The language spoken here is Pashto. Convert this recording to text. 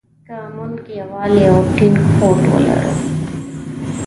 که مونږ يووالی او ټينګ هوډ ولرو.